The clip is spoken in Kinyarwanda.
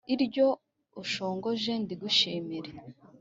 iryo ushongoje ndigushimire,